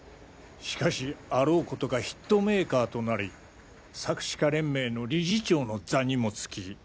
しかしあろうことかヒットメーカーとなり作詞家連盟の理事長の座にもつき。